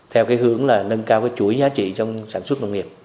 theo cái hướng là nâng cao cái chuỗi giá trị trong sản xuất nông nghiệp